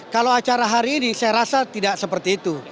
kalau acara hari ini saya rasa tidak seperti itu